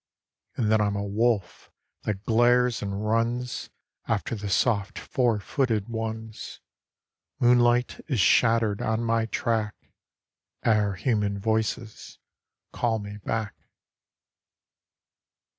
And then I'm a wolf, that glares and runs After the soft four'footed ones ; Moonlight is shattered on my track Ere human voices call me back.